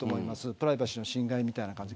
プライバシーの侵害みたいな感じ。